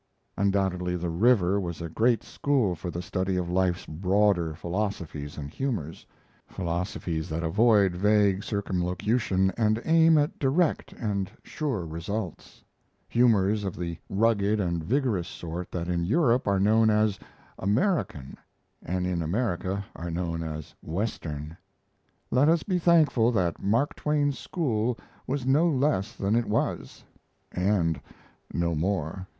Undoubtedly the river was a great school for the study of life's broader philosophies and humors: philosophies that avoid vague circumlocution and aim at direct and sure results; humors of the rugged and vigorous sort that in Europe are known as "American" and in America are known as "Western." Let us be thankful that Mark Twain's school was no less than it was and no more.